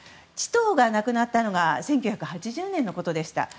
チトーが亡くなったのが１９８０年のことでした。